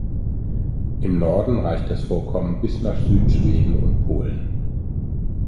Im Norden reicht das Vorkommen bis nach Südschweden und Polen.